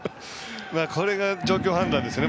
これが状況判断ですよね。